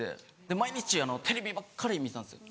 毎日テレビばっかり見てたんですよ。